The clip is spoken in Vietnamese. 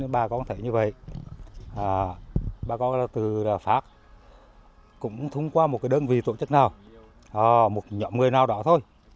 bà con thấy như vậy bà con từ pháp cũng thông qua một đơn vị tổ chức nào một nhóm người nào đó thôi